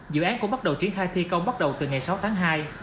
dự án cũng bắt đầu triển khai thi công bắt đầu từ ngày sáu tháng hai